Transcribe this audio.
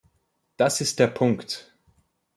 Das ist der Punkt!